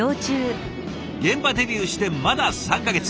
現場デビューしてまだ３か月。